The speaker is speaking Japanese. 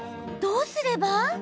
どうすれば？